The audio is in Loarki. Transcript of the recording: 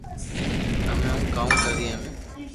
ھمي ھون ڪاوُ ڪرو اي مي